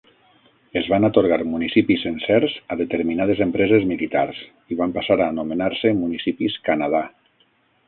Es van atorgar municipis sencers a determinades empreses militars i van passar a anomenar-se municipis "Canadà".